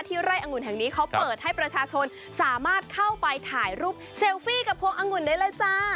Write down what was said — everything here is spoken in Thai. ไร่องุ่นแห่งนี้เขาเปิดให้ประชาชนสามารถเข้าไปถ่ายรูปเซลฟี่กับพวงองุ่นได้เลยจ้า